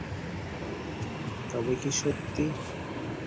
সর্বজয়া মেয়ের বিবাহের জন্য স্বামীকে প্রায়ই তাগাদ দেয়।